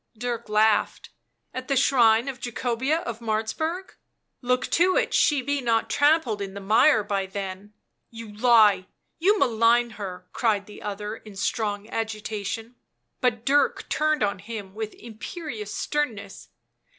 Dirk laughed. " At the shrine of Jacobea of Martz burg? Look to it she be not trampled in the mire by then." " You lie, you malign her!" cried the other in strong agitation. But Dirk turned on him with imperious sternness.